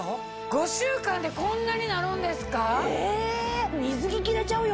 ５週間でこんなになるんですか！